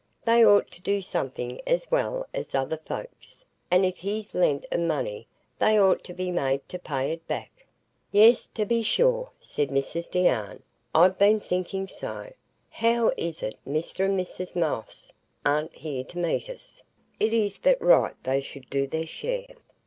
They ought to do something as well as other folks; and if he's lent 'em money, they ought to be made to pay it back." "Yes, to be sure," said Mrs Deane; "I've been thinking so. How is it Mr and Mrs Moss aren't here to meet us? It is but right they should do their share."